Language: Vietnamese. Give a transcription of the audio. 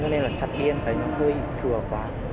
nên là chặt điên thấy hơi thừa quả